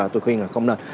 tôi khuyên là không nên